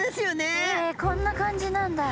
えこんな感じなんだ。